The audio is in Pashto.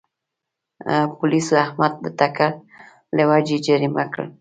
پولیسو احمد د ټکر له وجې جریمه کړ.